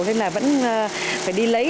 nên là vẫn phải đi lấy hàng